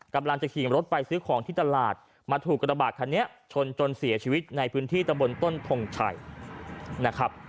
กำลังจะขี่รถไปซื้อของที่ตลาดมาถูกกระบาดคันนี้ชนจนเสียชีวิตในพื้นที่ตะบนต้นทงชัยนะครับ